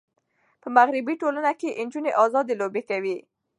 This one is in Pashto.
په مغربي ټولنو کې نجونې آزادې لوبې کوي.